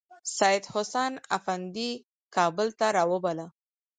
سیدحسن افندي کابل ته راوباله.